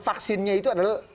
vaksinnya itu adalah